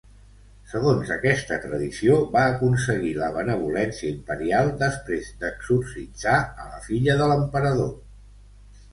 Segons aquesta tradició va aconseguir la benevolència imperial després d'exorcitzar a la filla de l'emperador.